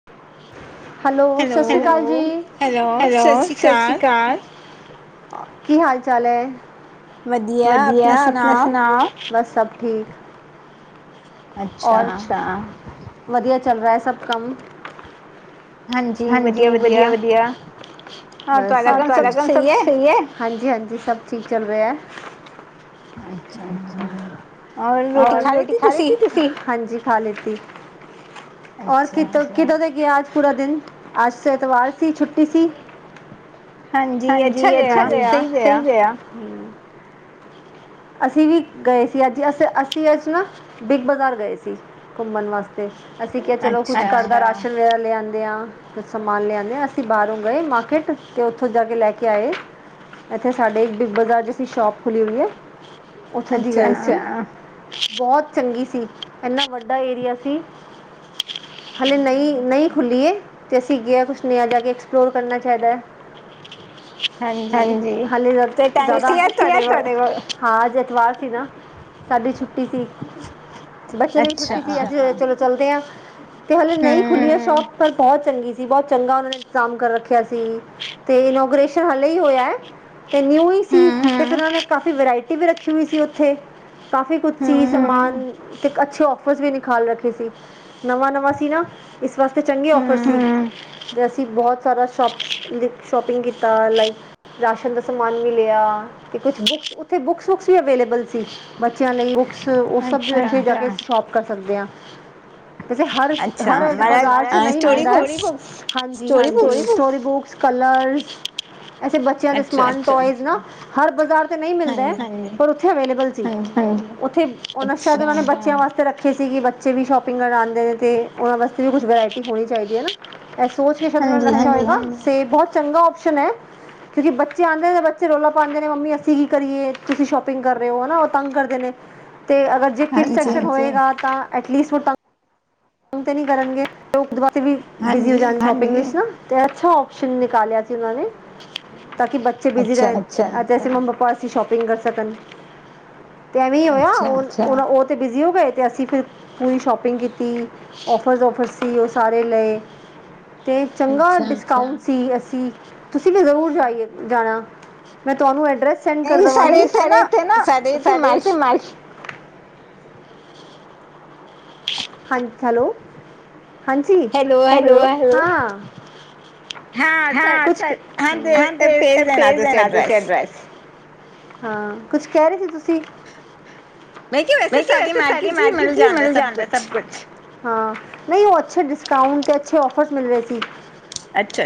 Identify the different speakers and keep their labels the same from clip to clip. Speaker 1: [unintelligible] Hello ਸਤ ਸ਼੍ਰੀ ਅਕਾਲ ਜੀ ਹੈਲੋ ਸਤਿ ਸ਼੍ਰੀ ਅਕਾਲ ਕੀ ਹਾਲ ਚਾਲ ਹੈ ਵਧੀਆ ਆਪਣਾ ਸੁਣਾਓ ਬਸ ਸਭ ਠੀਕ ਹੋਰ ਅੱਛਾ ਵਧੀਆ ਚੱਲ ਰਿਹਾ ਹੈ ਸਭ ਕੰਮ ਹਾਂਜੀ ਵਧੀਆ ਵਧੀਆ ਬਸ ਹੋਰ ਤੁਹਾਡਾ ਕੰਮ ਸਭ ਸਹੀ ਐ ਹਾਂਜੀ ਹਾਂਜੀ ਸਭ ਠੀਕ ਚੱਲ ਰਿਹਾ ਐ ਹੋਰ ਰੋਟੀ ਖਾ ਲਤੀ ਤੁਸੀਂ ਹਾਂਜੀ ਖਾ ਲਤੀ ਔਰ ਕਿ ਕਿਦੋਂ ਦੇ ਗਿਆ ਅੱਜ ਪੂਰਾ ਦਿਨ ਅੱਜ ਐਤਵਾਰ ਸੀ ਛੁੱਟੀ ਸੀ ਹਾਂਜੀ ਅੱਛਾ ਜ ਸਹੀ ਗਿਆ ਅਸੀਂ ਵੀ ਗਏ ਸੀ ਅੱਜ ਅਸੀ ਅਸੀਂ ਅੱਜ ਨਾ ਬਿੱਗ ਬਾਜ਼ਾਰ ਗਏ ਸੀ ਘੁੰਮਣ ਵਾਸਤੇ ਤੇ ਅਸੀਂ ਕਿਹਾ ਚਲੋ ਕੁਛ ਘਰਦਾ ਰਾਸ਼ਨ ਵਗੈਰਾ ਲਿਆਂਦੇ ਆਾਂ ਸਮਾਨ ਲਿਆਦੇ ਹਾਂ ਅਸੀਂ ਬਾਹਰੋਂ ਗਏ ਮਾਰਕੀਟ ਤੇ ਉੱਥੋਂ ਜਾ ਕੇ ਲੈ ਕੇ ਆਏ ਇਥੇ ਸਾਡੇ ਬਿਗ ਬਾਜ਼ਾਰ ਚ ਅਸੀ ਸ਼ੋਪ ਖੁੱਲੀ ਹੋਈ ਹੈ ਉਥੋਂ ਦੀ ਗਏ ਸੀ ਬਹੁਤ ਚੰਗੀ ਸੀ ਇਨਾ ਵੱਡਾ ਏਰੀਆ ਸੀ ਹਲੇੇ ਨਹੀਂ ਨਹੀਂ ਖੁੱਲੀਏ, ਤੇ ਅਸੀਂ ਗ ਕੁਛ ਨਹਾ ਜਾ ਕੇ ਐਕਸਪਲੋਰ ਕਰਨਾ ਚਾਹੀਦਾ ਐ। ਹਾਂਜੀ ਹਾਲੇ ਜ਼ਿਆਦਾ ਸੀ ਤੁਹਾਡੇ ਕੋਲ ਹਾਂਜੀ ਐਤਵਾਰ ਸੀ ਨਾ ਸਾਡੀ ਛੁੱਟੀ ਸੀ। ਬੱਚੇ ਦੀ ਛੁੱਟੀ ਸੀ ਅਸੀ ਚਲੋ ਚਲਦੇ ਆਂ। ਤੇ ਹਾਲੇ ਨਹੀਂ ਖੁੱਲੀ ਹੈ ਸ਼ੋਪ ਪਰ ਬਹੁਤ ਚੰਗੀ ਸੀ ਬਹੁਤ ਚੰਗਾ, ਉਹਨਾਂ ਨੇ ਇੰਤਜ਼ਾਮ ਕਰ ਰੱਖਿਆ ਸੀ ਤੇ ਇਨੋਗ੍ਰੇਸ਼ਨ ਹਾਲੇ ਹੀ ਹੋਇਆ ਐ। ਤੇ ਨਿਊ ਹੀ ਸੀ ਤੇ ਉਹਨਾਂ ਨੇ ਕਾਫੀ ਵਰਾਇਟੀ ਵੀ ਰੱਖੀ ਹੋਈ ਸੀ ਉਥੇ ਕਾਫੀ ਕੁਛ ਸੀ ਸਮਾਨ ਤੇ ਅੱਛੇ ਓਫਰ ਵੀ ਨਿਕਾਲ ਰੱਖੇ ਸੀ ਨਵਾਂ ਨਵਾਂ ਸੀ ਨਾ ਇਸ ਵਾਸਤੇ ਚੰਗੇ ਓਫਰ ਸੀ ਅਸੀਂ ਬਹੁਤ ਸਾਰਾ ਸ਼ੋਪ ਸ਼ੋਪਿੰਗ ਕੀਤਾ ਲਾਈਕ ਰਾਸ਼ਨ ਦਾ ਸਮਾਨ ਵੀ ਲਿਆ ਤੇ ਕੁਛ ਬੁ ਬੁਕਸੁਕ ਵੀ ਅਵੇਲੇਬਲ ਸੀ ਬੱਚਿਆਂ ਲਈ ਬੁਕਸ ਉਹ [unintelligible] ਸ਼ੋਪ ਕਰ ਸਕਦੇ ਆਂ ਹਰ ਹਰ ਬਾਜ਼ਾਰ ਚ ਨਹੀਂ ਮਿਲਦਾ ਹਾਂਜੀ ਹਾਂਜੀ [unintelligible] ਕਲਰ ਐਸੇ ਬੱਚਿਆਂ ਦੇ ਸਮਾਰਟ ਟੋਇ ਨਾ ਹਰ ਬਾਜ਼ਾਰ ਚ ਨਹੀਂ ਪਰ ਉਥੇ ਅਵੇਲੇਬਲ ਸੀ ਉੱਥੇ ਉਹ ਸ਼ਾਇਦ ਉਹ ਨੇ ਬੱਚਿਆਂ ਵਾਸਤੇ ਰ ਕਿਸੇ ਸੀ ਕਿ ਬੱਚੇ ਵੀ ਸ਼ੋਪਿੰਗ ਕਰਨ ਆਉਂਦੇ ਨੇ ਅਤੇ ਉਹਨਾਂ ਵਾਸਤੇ ਵੀ ਕੁਛ ਵਰਾਇਟੀ ਹੋਣੀ ਚਾਹੀਦੀ ਹੈ ਨਾ ਇਹ ਸੋਚ ਕੇ [unintelligible] ਹੋਏਗਾ ਤੇ ਬਹੁਤ ਚੰਗਾ ਕਿਉਂਕਿ ਬੱਚੇ ਆਉਂਦੇ ਨੇ ਬੱਚੇ ਰੌਲਾ ਪਾਉਂਦੇ ਨੇ ਮੰਮੀ ਅਸੀਂ ਕੀ ਕਰੀਏ ਤੁਸੀਂ ਸ਼ੋਪਿੰਗ ਕਰ ਰਹੇ ਹੋ ਹਨਾ ਉਹ ਤੰਗ ਕਰਦੇ ਨੇ ਤੇ ਅਗਰ ਜੇ ਹੋਏਗਾ ਤਾਂ ਏਟ ਲਿਸਟ ਤੰਗ ਤਾਂ ਨਹੀਂ ਕਰਨਗੇ ਬਿਜ਼ੀ ਹੋ ਜਾਣਗੇ। ਅੱਛਾ ਓਪਸ਼ਨ ਨਿਕਾਲਿਆ ਸੀ ਉਹਨਾਂ ਨੇ ਤਾਂ ਕਿ ਬੱਚੇ ਬਿਜੀ ਰਹੇ ਜੈੇ ਮੰਮੀ ਪਾਪਾ ਸ਼ੋਪਿੰਗ ਕਰ ਸਕਣ, ਤੇ ਐਵੇਂ ਹੀ ਹੋਇਆ ਉਹ ਹੁਣ ਉਹ ਤੇ ਬਿਜ਼ੀ ਹੋ ਗਏ, ਤੇ ਅਸੀਂ ਫਿਰ ਪੂਰੀ ਸ਼ੋਪਿੰਗ ਕੀਤੀ। ਔਫਰ ਉਫਰ ਸੀ, ਉਹ ਸਾਰੇ ਲਏ, ਤੇ ਚੰਗਾ ਡਿਸਕਾਊਂਟ ਸੀ ਅਸੀ, ਤੁਸੀਂ ਵੀ ਜ਼ਰੂਰ ਜਾਈਏ ਜਾਣਾ, ਮੈਂ ਤੁਹਾਨੂੰ ਐਡਰੈਸ ਸੈਂਡ ਕਰ ਦਵਾਂਗੀ, ਸਾਡੇ ਇੱਥੇ ਨਾ ਸਾਡੇ ਇੱਥੇ ਮ ਹਾਂ ਹੈਲੋ ਹਾਂਜੀ ਹੈਲੋ ਹੈਲੋ ਹਾਂ ਹਾਂ ਹਾਂ ਭੇਜ ਦੇਣਾ ਤੁਸੀਂ ਐਡਰੈਸ, ਹਾਂ ਕੁਛ ਕਹਿ ਰਹੇ ਸੀ ਤੁਸੀਂ ਮੈਂ ਕਿਹਾ, ਵੈਸੇ ਸਾਰੀ ਮਾਰਕੀਟ ਹੀ ਮਿਲ ਜਾਣ ਹਾਂ, ਨਹੀਂ ਉਹ ਅੱਛੇ ਡਿਸਕਾਊਂਟ ਤੇ, ਅੱਛੇ ਔਫਰ ਮਿਲ ਰਹੇ ਸੀ।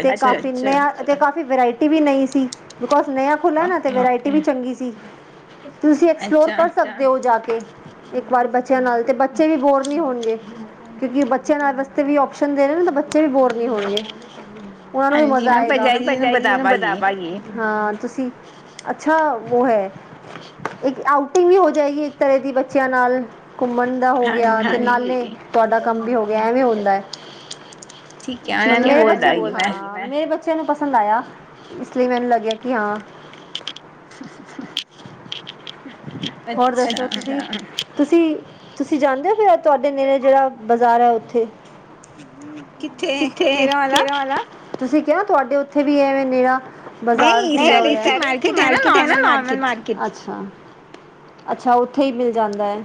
Speaker 1: ਤੇ ਕਾਫੀ ਨਯਾ, ਤੇ ਕਾਫੀ ਵਰਾਇਟੀ ਵੀ ਨੀ ਸੀ, ਬਿਕੋਜ ਨਯਾ ਖੁਲਾ ਨਾ ਤੇ ਵਰਾਇ ਵੀ ਚੰਗੀ ਸੀ, ਤੁਸੀਂ ਐਕਸਪਲੋਰ ਕਰ ਸਕਦੇ। ਤੇ ਉਹ ਜਾ ਕੇ ਇੱਕ ਵਾਰ ਬੱਚਿਆਂ ਨਾਲ, ਤੇ ਬੱਚੇ ਵੀ ਬੋਰ ਫ੍ਰੀ ਹੋਣਗੇ, ਕਿਉਂਕਿ ਬੱਚਿਆਂ ਲਿਆਨ ਵਾਸਤੇ ਵੀ ਆਪਸ਼ਨ ਦੇ ਰਹੇ ਨੇ, ਬੱਚੇ ਵੀ ਬੋਰ ਨੀ ਹੋਣਗੇ। ਉਹਨਾ ਨੂੰ ਵੀ ਮਜ਼ਾ ਆਏਗਾ, ਪਰਜਾਈ ਜੀ ਨੂੰ ਬਤਾ ਦਾਂਗੀ ਹਾਂ ਤੁਸੀਂ ਅੱਛਾ ਵੋ ਹੈ, ਇੱਕ ਆਊਟਿੰਗ ਵੀ ਹੋ ਜਾਏਗੀ ਇੱਕ ਤਰ੍ਹਾਂ ਦੀ ਬੱਚਿਆਂ ਨਾਲ, ਘੁੰਮਣ ਦਾ ਹੋ ਗਿਆ, ਤੇ ਨਾਲੇ ਤੁਹਾਡਾ ਕੰਮ ਵੀ ਹੋ ਗਿਆ, ਐਵੇਂ ਹੁੰਦਾ ਹੈ। ਮ ਕਿ ਬੱਚ ਬ [inaudible] ਐ ਮੇਰੇ ਬੱਚਿਆਂ ਨੂੰ ਪਸੰਦ ਆਇਆ, ਇਸ ਲਈ ਮੈਨੂੰ ਲੱਗਿਆ ਕਿ ਹਾਂ, ਹੋਰ ਦੱਸਦੋ ਤੁਸੀਂ? ਤੁਸੀਂ ਤੁਸੀਂ ਜਾਂਦੇ ਹੋ, ਫੇਰ ਤੁਹਾਡੇ ਨੇੜੇ ਜਿਹੜਾ ਬਾਜ਼ਾਰ ਹੈ ਉੱਥੇ ਕਿੱਥੇ, ਕਿਹੜਾ, ਤੁਸੀਂ ਕਿਹਾ ਤੁਹਾਡੇ ਉੱਥੇ ਵੀ ਐਵੇਂ ਨੇਰਾ, ਬਜ਼ਾਰ, ਨਹੀ ਸਾਡੇ ਇੱਥੇ ਮਾਰਕੀਟ ਹੈ ਨਾ, ਨੋਰਮਲ ਮਾਰਕੀਟ ਅੱ ਅੱਛਾ, ਉੱਥੇ ਹੀ ਮਿਲ ਜਾਂਦਾ ਹੈ,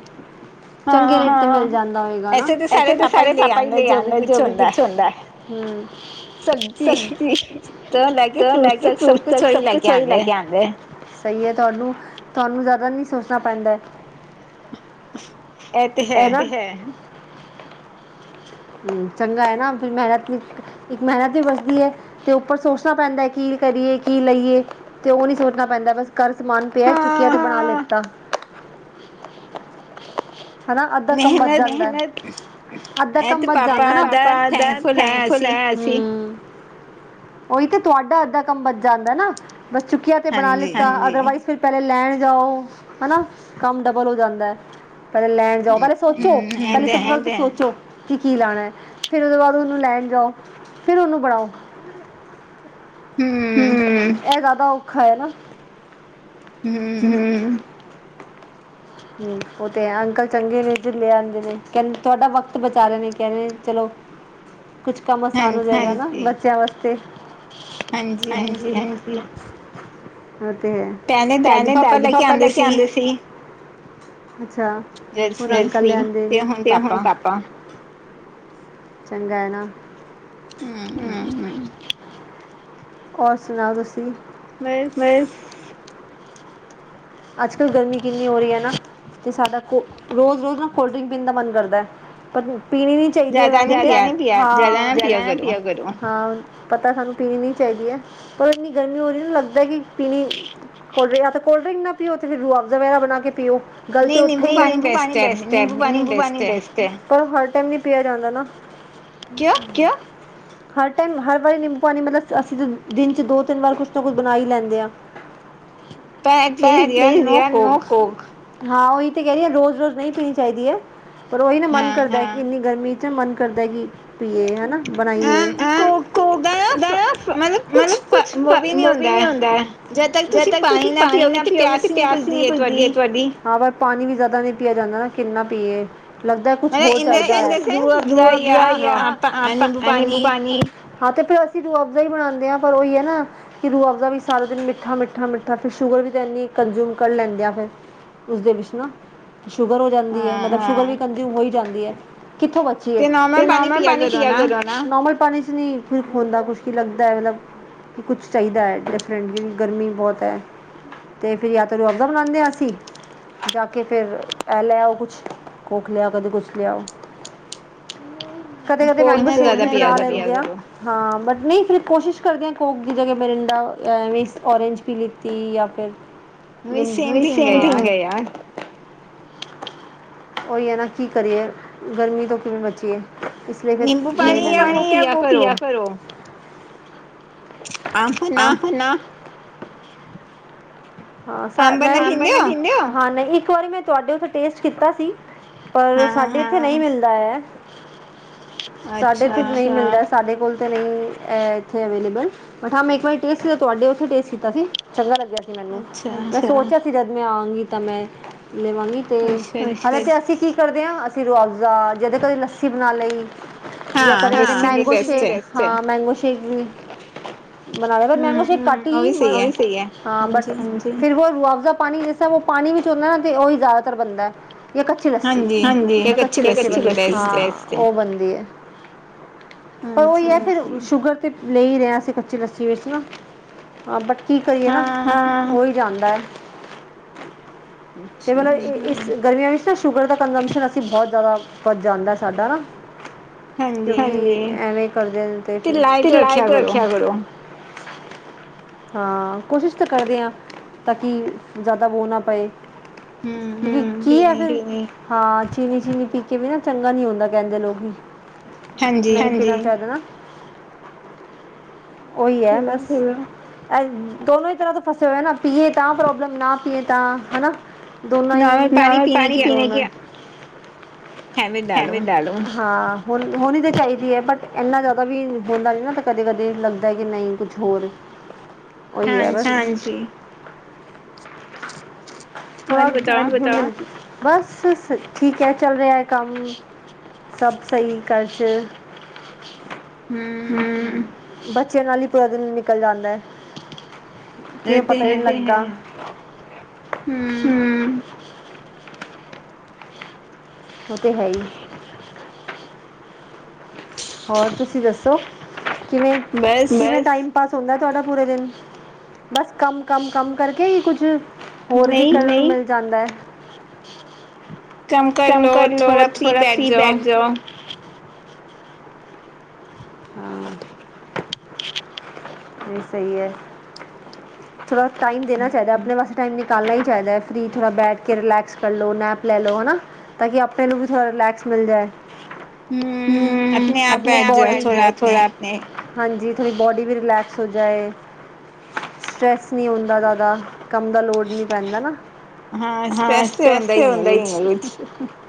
Speaker 1: ਚੰਗੇ ਰੇਟ ਜਾਂਦਾ ਹੋਯੇਗਾ ਨਾ, ਐਥੇ ਤਾਂ ਸਾਰੇ ਪਾਪਾ ਹੀ ਲੈ ਆਉਦਾ, ਜੋ ਵੀ ਕੁਛ ਹੁੰਦਾ। ਸਬਜ਼ੀ ਤੋਂ ਲੈ ਕੇ ਫਰੂਟ, ਸਭ ਕੁਛ ਹੀ ਲੈ ਕੇ ਆਉਂਦੇ। ਸਹੀ ਹੈ ਤੁਹਾਨੂੰ, ਤੁਹਾਨੂੰ ਜ਼ਿਆਦਾ ਨਹੀਂ ਸੋਚਣਾ ਪੈਂਦਾ।
Speaker 2: ਇਹ ਤੇ ਹੈ।
Speaker 1: ਐ ਹੂ, ਚੰਗਾ ਏ ਨਾ ਫਿਰ ਮੇਹਨਤ ਇੱਕ ਮੇਹਨਤ ਹੀ ਬਚਦੀ ਏ, ਤੇ ਉੱਪਰ ਸੋਚਣਾ ਪੈਂਦੈ, ਕਿ ਕਰੀਏ ਕਿ ਲਈਏ। ਤੇ ਓਹ ਨੀ ਸੋਚਣਾ ਪੈਂਦਾ, ਬਸ। ਘਰ ਸਮਾਨ ਪੇਯਾ, ਚੁੱਕਿਆ ਤੇ ਬਣਾ ਲਿਤਾ, ਹਨਾ। ਕੰਮ ਬਧ ਜਾਂਦੈ, ਅੱਧਾ ਕੰਮ ਬਧ ਜਾਂਦੈ ਨਾ। ਉਹੀ ਤੇ, ਤੁਹਾਡਾ ਅੱਧਾ ਕੰਮ ਬਚ ਜਾਂਦਾ ਨਾ, ਬਸ ਚੁੱਕੀਆਂ, ਤੇ ਬਣਾ ਲਿੱਤਾ, ਅਦਰਵਾਈਜ਼, ਫਿਰ ਪਹਿਲੇ ਲੈਣ ਜਾਓ ਹੈਨਾ, ਕੰਮ ਡਬਲ ਹੋ ਜਾਂਦਾ ਹੈ, ਪਹਿਲੇ ਲੈਣ ਜਾਓ ਪਹਿਲੇ ਸੋਚੋ, ਸੋਚੋ ਕੀ, ਕੀ ਲਾਣਾ ਹੈ, ਫੇਰ ਉਹਦੇ ਬਾਅਦ ਉਹਨੂੰ ਲੈਣ ਜਾਓ, ਫਿਰ ਓਨੂੰ ਬਣਾਓ, ਹੂੰ, ਇਹ ਜ਼ਿਆਦਾ ਔਖਾ ਹੈ ਨਾ, ਹੂੰ, ਉਹ ਤੇ ਹੈ, ਅੰਕਲ ਚੰਗੇ ਨੇ ਤੇ ਲੇ ਆਂਦੇ ਨੇ, ਕਹਿੰਦੇ ਤੁਹਾਡਾ ਵਕਤ ਬਚਾ ਰਹੇ ਨੇ, ਕਹਿੰਦੇ ਚਲੋ। ਕੁਛ ਕੰਮ ਆਸਾਨ ਹੋ ਜਾਏਗਾ ਨਾ, ਬੱਚਿਆਂ ਵਾਸਤੇ, ਹਾਂਜੀ ਹਾਜੀ, ਉਹ ਤੇ ਹੈ, ਪਹਿਲੇ ਦਾਦੂ ਪਾਪਾ ਲੈ ਕੇ ਆਉਂਦੇ ਸੀ। ਅੱਛਾ, ਹੁਣ ਅੱਕਲ ਲੇ ਆਂਦੇ ਨੇ, ਤੇ ਹੁਣ ਪਾਪਾ, ਚੰਗਾ ਹੈ ਨਾ, ਹੂ ਹੂ ਹੋਰ ਸੁਣਾਓ, ਤੁਸੀਂ?
Speaker 2: ਮੈਂ
Speaker 1: ਅੱਜ-ਕੱਲ੍ਹ ਗਰਮੀ ਕਿੰਨੀ ਹੋ ਰਹੀ ਐ ਨਾ, ਤੇ ਸਾਡਾ ਰੋਜ਼- ਰੋਜ਼ ਨਾ ਕੋਲਡਰਿੰਕ ਪੀਣ ਦਾ ਮਨ ਕਰਦੈ। ਪਰ ਪੀਣੀ ਨੀ ਚਾਈਦੀ, ਜਿਆਦਾ ਨਾ ਪਿਆ ਕਰੋ ਪਤੈ ਸਾਨੂੰ ਪੀਣੀ ਨੀ ਚਾਈਦੀ ਐ ਪਰ ਇੰਨੀ ਗਰਮੀ ਹੋ ਰੀ ਨਾ ਲੱਗਦੈ ਕਿ ਪੀਣੀ ਕੋਲਡ੍ਰਿੰਕ ਤੇ ਕੋਲਡਰਿੰਕ ਨਾ ਪੀਓ ਤੇ ਫਿਰ ਰੂ ਆਫਜਾ ਵਗੈਰਾ ਬਣਾ ਕੇ ਪੀਓ। ਗੱਲ ਤੇ ਔਥੇ ਈ ਐ ਪਰ ਹਰ ਟੈਮ ਨੀ ਪਿਆ ਜਾਂਦਾ ਨਾ। ਹਰ ਟੈਮ ਹਰ ਵਾਰੀ ਨਿੰਬੂ-ਪਾਣੀ ਮਤਲਬ ਅਸੀਂ ਤ ਦਿਨ ਚ ਦੋ-ਤਿੰਨ ਵਾਰ ਕੁਛ ਨਾ ਕੁਛ ਬਣਾ ਈ ਲੈਂਦੇ ਆਂ। ਤਾਂ ਐਟਲੀਸ ਯਾ ਨੋ ਕੋਕ। ਹਾਂ, ਓਈ ਤੇ ਕੈ ਰੀ ਆ ਰੋਜ਼-ਰੋਜ਼ ਨਈ ਪੀਣੀ ਚਾਈਦੀ ਐ, ਪਰ ਓਹੀ ਨਾ ਮਨ ਕਰਦੈ। ਇੰਨੀ ਗਰਮੀ ਚ ਮਨ ਕਰਦੈ ਕਿ ਪੀਏ ਹਨਾ। ਕੋਕ ਦਾ ਨਾ ਫ ਮਤਲਬ ਕੁਛ ਵੋਬੀ ਨੀ ਹੁੰਦਾ ਐ। ਜਦ ਤੱਕ ਤੁਸੀਂ ਪਾਣੀ ਨਾ ਪੀਓਗੇ ਤੇ ਪਿਆਸ ਈ ਨੀ ਭੁਜਦੀ ਏ ਤੁਐ ਡੀ ਹਾਂ, ਪਰ ਪਾਣੀ ਵੀ ਜੈਦਾ ਨਹੀਂ ਪੀਆ ਜਾਂਦਾ ਨਾ ਕਿੰਨਾ ਪੀਏ। ਲੱਗਦੈ ਕੁਛ ਹੋਰ ਚਾਈਦਾ। ਹਾਂ, ਤੇ ਫੇਰ ਅਸੀਂ ਰੂਅਫ਼ਜ਼ਾ ਈ ਬਣਾਦੇ ਆਂ ਪਰ ਓਈ ਐ ਨਾ ਕਿ ਰੂਅਫਜਾ ਵੀ ਸਾਰਾ ਦਿਨ ਮਿੱਠਾ-ਮਿੱਠਾ, ਮਿੱਠਾ ਫਿਰ ਸ਼ੂਗਰ ਵੀ ਤੇ ਐਨੀ ਕੰਜੂਮ ਕਰ ਲੈਂਦੇ ਆ ਫੇਰ ਉਸਦੇ ਵਿੱਚ ਨਾ ਸ਼ੂਗਰ ਹੋ ਜਾਂਦੀ ਏ, ਮਤਲਬ ਸ਼ੂਗਰ ਵੀ ਕਜੂੰਮ ਹੋ ਈ ਜਾਂਦੀ ਐ, ਕਿੱਥੋਂ ਬਚੀਏ? ਨਾ ਨੋਰਮਲ ਪਾਣੀ ਚ ਨੀ ਫਿਰ ਖੋੰਦਾ ਕੁਛ ਕੀ ਲੱਗਦੈ ਮਤਲਬ ਕਿ ਕੁਛ ਚਾਈਦਾ ਐ, ਡਿਫਰੈਂਟ ਕੀ ਗਰਮੀ ਬੌਤ ਐ। ਤੇ ਫਿਰ ਯਾ ਤੇ ਰੂਅਫਜ਼ਾ ਬਣਾਦੇ ਆਂ ਅਸੀਂ। ਜਾ ਕੇ ਫੇਰ ਐ ਲੈ ਆਓ ਕੁਛ ਕੋਕ ਲੇ ਆਓ, ਕਦੀ ਕੁਛ ਲੈ ਆਓ। ਕਦੇ-ਕਦੇ ਮੈਂਗੋ ਸ਼ੇਕ ਵੀ ਬਣਾ ਲੈੰਦੇ ਆ। ਹਾਂ, ਬਟ ਨਈ ਫਿਰ ਕੋਸ਼ਿਸ਼ ਕਰਦੇ ਆਂ ਕੋਕ ਦੀ ਜਗ੍ਹਾ ਮਰਿੰਡਾ ਐਵੈਏ ਔਰਂਜ ਪੀ ਲਿੱਤੀ ਯਾ ਫਿਰ ਨਈ ਸੇਮ ਥੀੰਗ ਐ ਯਾਰ। ਓਈ ਏ ਨਾ, ਕੀ ਕਰੀਏ ਗਰਮੀ ਤੋਂ ਕਿਵੇਂ ਬਚੀਏ? ਇਸ ਲਈ ਫਿਰ ਲੈ ਈ ਲੈਣੇ ਅ
Speaker 2: ਆਮ ਪਨਾ।
Speaker 1: ਨਾ। ਹਾਂ ਸਾ ਨਈ ਇੱਕ ਵਾਰੀ ਮੈਂ ਤੁਆਡੇ ਉਥੇ ਟੇਸਟ ਕੀਤਾ ਸੀ ਪਰ ਸਾਡੇ ਏਥੇ ਨਈ ਮਿਲਦਾ ਐ। ਸਾਡੇ ਏਥੇ ਨਈ ਮਿਲਦਾ ਸਾਡੇ ਕੋਲ ਤੇ ਨਈ ਐਥੇ ਅਵੇਲੇਬਲ। ਮੱਠਾ ਮੈਂ ਇੱਕ ਵਾਰੀ ਟੇਸਟ ਤੁਆਡੇ ਉੱਥੇ ਟੇਸਟ ਕੀਤਾ ਸੀ ਚੰਗਾ ਲੱਗਿਆ ਸੀ ਮੈਨੂੰ। ਮੈਂ ਸੋਚਿਆ ਸੀ ਜਦ ਮੈਂ ਆਵਾਂਗੀ ਤਾਂ ਮੈਂ ਲੇਵਾਂਗੀ ਤੇ ਕੀ ਕਰਦੇ ਆ ਅਸੀਂ ਰੂਅਫ਼ਜ਼ਾ ਜਦੇ ਕਦੇ ਲੱਸੀ ਬਣਾ ਲਈ ਜਾਂ ਕਦੇ ਮੈਂਗੋ ਸ਼ੇਕ ਹਾਂ, ਮੈਂਗੋ ਸ਼ੇਕ ਵੀ। ਬਣਾ ਲਿਆ ਪਰ ਮੈੰਗੋ ਸੇ਼ਕ ਘੱਟ ਈ ਮ ਹਾਂ ਬਟ ਫਿਰ ਵੋ ਰੂਅਫਜ਼ਾ ਪਾਣੀ ਜੈਸਾ ਵੋ ਪਾਣੀ ਵਿੱਚ ਹੁੰਦੈ ਨਾ ਤੇ ਓਈ ਜੈਦਾਤਰ ਬਣਦੈ। ਯਾ ਕੱਚੀ ਲੱਸੀ ਯਾ ਕੱਚੀ ਲੱਸੀ, ਹਾਂ। ਤੇ ਔ ਬਣਦੀ ਏ, ਓਈ ਐ ਫਿਰ ਸ਼ੂਗਰ ਤੇ ਲੇਈ ਰਿਆ ਅਸੀ ਕੱਚੀ ਲੱਸੀ ਵਿੱਚ ਨਾ, ਬਟ ਕੀ ਕਰੀਏ ਨਾ। ਹੋ ਈ ਜਾਂਦੈ ਤੇ ਮਤਲਬ ਇ-ਇ-ਇਸ ਗਰਮੀਆਂ ਵਿੱਚ ਤੇ ਸ਼ੂਗਰ ਦਾ ਕੰਜਪਸ਼ਨ ਅਸੀ ਬਹੋਤ ਜੈਦਾ ਵੱਧ ਜਾਂਦੈ ਸਾਡਾ ਨਾ। ਕਿਉਂਕਿ, ਐਵੇਂ ਕਰਦੇਆ ਐਦੇ ਤੇ ਫੇਰ ਹਾਂ, ਕੋਸ਼ਿਸ਼ ਤਾਂ ਕਰਦੇ ਆਂ। ਤਾਂ ਕਿ ਜੈਦਾ ਵੋ ਨਾ ਪਏ ਹੂੰ ਹਾਂ, ਚੀਨੀ-ਚੀਨੀ ਪੀ ਕੇ ਵੀ ਨਾ ਚੰਗਾ ਨੀ ਹੁੰਂਦਾ ਕੈੰਦੇ ਲੋਗ ਵੀ। ਹਾਜੀ। ਓਈ ਐ ਬਸ ਅ ਦੋਨੋਂ ਈ ਤਰ੍ਹਾਂ ਤੋ ਫਸੇ ਹੋਏ ਨਾ ਪੀਏ ਤਾਂ ਪ੍ਰੋਬਲਮ, ਨਾ ਪੀਏ ਤਾਂ ਹਨਾ। ਦੋਨੋ ਈ ਹੈਵੇ ਲੇਲੋ ਹਾਂ। ਹੋਨ ਹੋਣੀ ਤਾਂ ਚਾਈਦੀ ਐ ਬਟ ਐਨਾ ਜਾਦਾ ਵੀ ਹੁੰਦਾ ਨੀ ਨਾ ਤਾਂ ਕਦੇ-ਕਦੇ ਲੱਗ। ਦਾ ਕੀ ਨਈ ਕੁੱਛ ਹੋਰ ਓਈ ਐ ਬਸ, ਹਾਂਜੀ। ਹੋ ਬਤਾਓ [unintelligible] ਬਸ, ਸ ਠੀਕ ਐ ਚੱਲ ਰਿਐ ਕੰਮ। ਸਭ ਸਈ ਘਰ ਚ। ਹੂੰ, ਬੱਚਿਆਂ ਨਾਲ ਈ ਪੂਰਾ ਦਿਨ ਨਿਕਲ ਜਾਂਦੈ। ਕਿਵੇਂ ਪਤਾ ਈ ਨੀ [unintelligible] ਲਗਦਾ।
Speaker 2: ਉਂ।
Speaker 1: ਹੂੰ। ਓ ਤੇ ਹੈ ਈ। ਹੋਰ ਤੁਸੀਂ ਦੱਸੋ, ਕਿਵੇਂ, ਕਿਵੇਂ ਟਾਈਮ? ਪਾਸ ਹੁੰਦਾ ਤੁਹਾਡਾ ਪੂਰੇ ਦਿਨ ਵਿੱਚ, ਬਸ ਕੰਮ-ਕੰਮ-ਕੰਮ ਕਰਕੇ ਈ ਕੁੱਝ। ਹੋਰ ਵੀ ਕੱਲ, ਨਹੀਂ, ਮਿਲ ਜਾਂਦਾ ਐ। ਕੰਮ ਕਰਲੋ ਥੋੜਾ ਫ੍ਰੀ ਬੈਠ ਜਾਓ। ਹਾਂ [unintelligible] ਏ ਸਈ ਐ। ਥੋੜਾ ਟਾਈਮ ਦੇਣਾ ਚਾਹੀਦਾ ਆਪਣੇ ਵਾਸ। ਟਾਈਮ ਨਿਕਾਲਣਾ ਈ ਚਾਈਦੈ, ਫ੍ਰੀ ਥੋੜਾ ਬੈਠ ਕੇ, ਰੈਲੈਕਸ ਕਰਲੋ, ਨੈਪ ਲੈ ਲੋ ਹਨਾਂ। ਤਾਂ ਕੀ ਆਪੇ ਨੂੰ ਵੀ ਥੋੜਾ ਰਿਲੈਕਸ ਮਿਲ ਜਾਏ, ਹੂੰ, ਆਪਣੇ [unintelligible] ਆਪਣੀ ਬੌਡੀ ਹਾਂਜੀ, ਥੋੜੀ ਬੋਡੀ ਵੀ ਰਿਲੈਕਸ ਹੋ ਜਾਏ। ਸਟਰ੍ਰੈਸ ਨੀ ਹੁੰਂਦਾ ਜਾਦਾ, ਕੰਮ ਦਾ ਲੋਡ ਨੀ ਪੈਂਦਾ ਨਾ। ਹੈ, ਸਟਰੈਸ ਤੇ ਹੁੰਦਾ ਈ ਏ ਇਚ,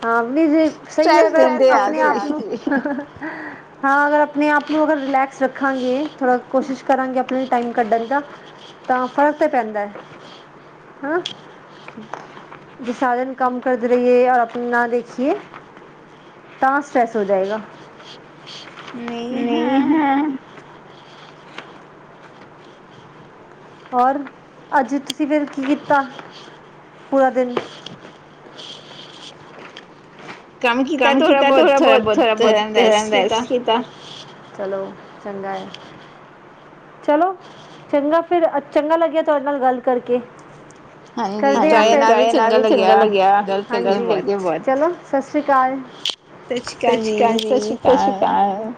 Speaker 1: ਹਾਂ, ਨੀ ਜੇ। ਸਈ ਐ, ਅਗਰ ਆਪਣੇ ਆਪ ਨੂੰ, ਹ ਹਅ, ਹਾਂ, ਅਗਰ। ਮੈਂ ਆਪ ਨੂੰ ਅਗਰ ਰਿਲੈਕਸ ਰੱਖਾਂਗੇ, ਥੋੜ੍ਹਾ ਕੋਸ਼ਿਸ਼ ਕਰਾਂਗੇ ਆਪਣੇ ਟਾਈਮ ਕੱਢਣ ਦਾ। ਤਾਂ ਫ਼ਰਕ ਤੇ ਪੈਂਦਾ ਏ, ਹਅ। ਜੇ ਸਾਰਾ ਦਿਨ ਕੰਮ ਕਰਦੇ ਰਈਏ, ਔਰ ਆਪ ਨਾ ਦੇਖੀਏ। ਤਾਂ ਸਟਰ੍ਰੈਸ ਹੋ ਜਾਏਗਾ। ਨਈ ਹੈ। ਹੋਰ, ਅੱਜ ਤੁਸੀਂ ਫਿਰ ਕੀ ਕੀਤਾ, ਪੂਰਾ ਦਿਨ? ਕੰਮ ਕੀਤਾ ਥੋੜ੍ਹਾ ਬਹੁਤ, ਥੋੜਾ ਬਹੁਤ ਰੈਸਟ ਕੀਤਾ। ਚਲੋ, ਚੰਗਾ ਏ। ਚਲੋ, ਚੰਗਾ ਫਿਰ, ਚੰਗਾ ਲੱਗਿਆ ਤੁਹਾਡੇ ਨਾਲ ਗੱਲ ਕਰਕੇ। ਕਰਦੇ ਆ ਫਿਰ, ਤੁਹਾਡੇ ਨਾਲ ਵੀ ਚੰਗਾ ਲੱਗਿਆ, ਹਾਂਜੀ, ਚੰਗਾ [unintelligible] ਬਾਏ, ਚੱਲੋ। ਸਾ ਸ੍ਰੀ ਅਕਾਲ, ਸੱਸ ਸ਼੍ਰੀ ਕਾਲ ਜੀ ਸਤਿ ਸ਼੍ਰੀ ਅਕਾਲ।